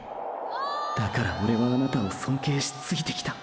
だからオレはあなたを尊敬しついてきた。